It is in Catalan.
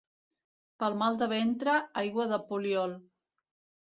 Pel mal de ventre, aigua de poliol.